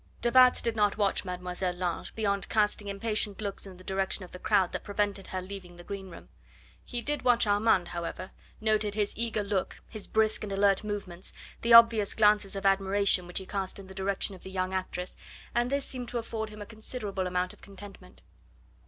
De Batz did not watch Mlle. Lange beyond casting impatient looks in the direction of the crowd that prevented her leaving the green room. He did watch Armand, however noted his eager look, his brisk and alert movements, the obvious glances of admiration which he cast in the direction of the young actress, and this seemed to afford him a considerable amount of contentment.